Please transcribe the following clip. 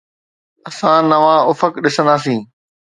اسان نوان افق ڏسنداسين.